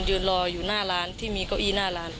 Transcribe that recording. ยืนรออยู่หน้าร้านที่มีเก้าอี้หน้าร้าน